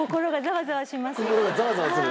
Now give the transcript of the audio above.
心がザワザワする？